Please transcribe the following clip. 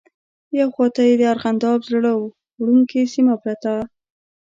یوه خواته یې ارغنداب زړه وړونکې سیمه پرته.